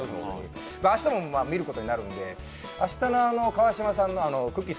明日も見ることになるんで明日の川島さんのくっきー！